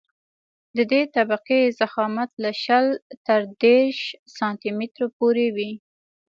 د دې طبقې ضخامت له شل تر دېرش سانتي مترو پورې وي